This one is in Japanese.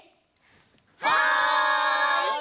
はい！